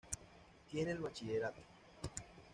Tiene el bachillerato.